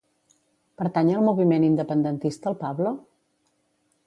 Pertany al moviment independentista el Pablo?